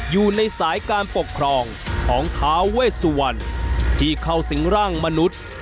อยู่ในสายการปกครองของท้าเวสวันที่เข้าสิงร่างมนุษย์